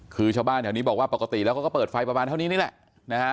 คือชาวบ้านแถวนี้บอกว่าปกติแล้วเขาก็เปิดไฟประมาณเท่านี้นี่แหละนะฮะ